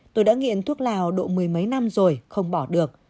tôi đã nghiện thuốc lào độ mười mấy năm rồi không bỏ được